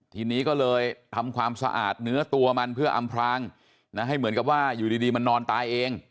ทีนี้ก็เลยทำความสะอาดเนื้อตัวมันเพื่ออำพรางนะให้เหมือนกับว่าอยู่ดีมันนอนตายเอง